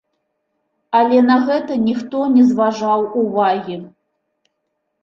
Але на гэта ніхто не зважаў увагі.